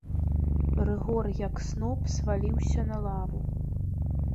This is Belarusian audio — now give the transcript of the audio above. Рыгор як сноп зваліўся на лаву.